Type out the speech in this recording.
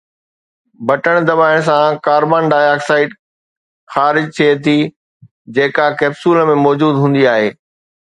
بٽڻ دٻائڻ سان ڪاربان ڊاءِ آڪسائيڊ خارج ٿئي ٿي، جيڪا ڪيپسول ۾ موجود هوندي آهي.